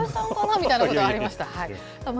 みたいなことありました。